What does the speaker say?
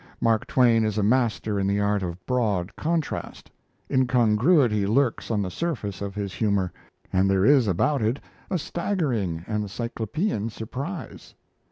Mark Twain is a master in the art of broad contrast; incongruity lurks on the surface of his humour; and there is about it a staggering and cyclopean surprise.